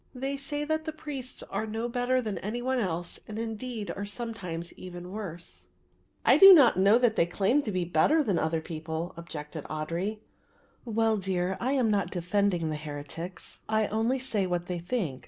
They say that the priests are no better than any one else and indeed are sometimes even worse." "I do not know that they claim to be better than other people," objected Audry. "Well, dear, I am not defending the heretics. I only say what they think.